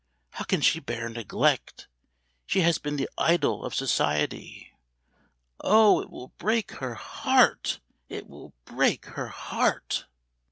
How can she bear neglect? She has been the idol of society. Oh, it will break her heart it will break her heart!"